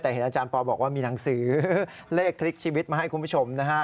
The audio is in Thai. แต่เห็นอาจารย์ปอลบอกว่ามีหนังสือเลขคลิกชีวิตมาให้คุณผู้ชมนะฮะ